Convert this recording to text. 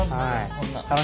そんな！